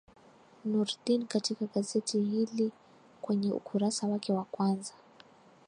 nurdin katika gazeti hili kwenye ukurasa wake wa kwanza